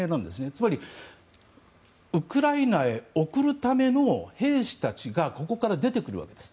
つまり、ウクライナへ送るための兵士たちがここから出てくるわけです。